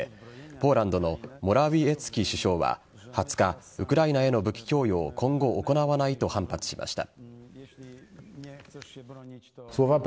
ポーランドのモラウィエツキ首相は２０日ウクライナへの武器供与を今後、行わないと反発しました。